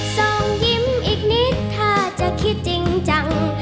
ส่งยิ้มอีกนิดถ้าจะคิดจริงจัง